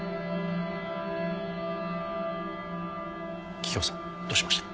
桔梗さんどうしました？